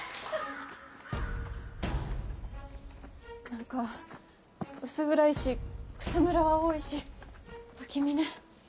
何か薄暗いし草むらは多いし不気味ね。